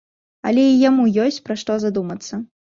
Але і яму ёсць пра што задумацца.